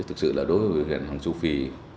thực sự là đối với hàng châu phi